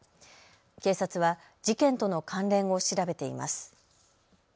警察は事件との関連を調べています。